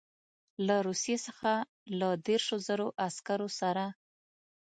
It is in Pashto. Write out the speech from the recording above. له روسیې څخه له دېرشو زرو عسکرو سره.